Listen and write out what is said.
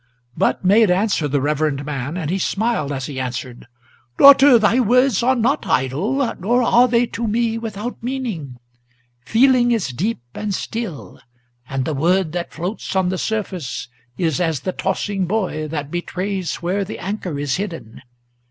But made answer the reverend man, and he smiled as he answered, "Daughter, thy words are not idle; nor are they to me without meaning. Feeling is deep and still; and the word that floats on the surface Is as the tossing buoy, that betrays where the anchor is hidden.